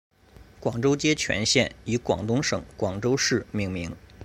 广州街全线以广东省广州市命名。